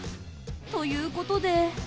ということで。